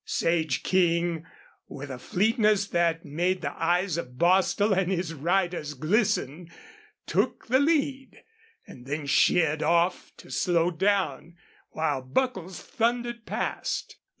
Sage King, with a fleetness that made the eyes of Bostil and his riders glisten, took the lead, and then sheered off to slow down, while Buckles thundered past.